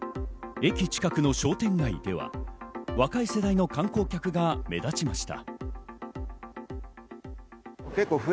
駅近くの商店街では、若い世代の観光客が目立ちました。